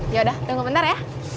yaudah tunggu bentar ya